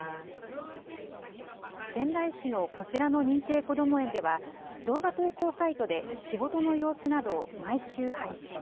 仙台市のこちらの認定こども園では、動画投稿サイトで仕事の様子などを毎週配信。